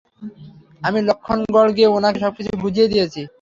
আমি লক্ষ্মণগড় গিয়ে উনাকে সবকিছু বুঝিয়ে দিয়েছি।